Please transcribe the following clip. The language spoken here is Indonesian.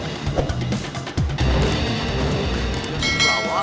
ini siapa wak